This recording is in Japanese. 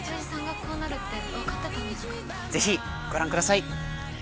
ぜひ、ご覧ください！